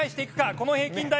この平均台。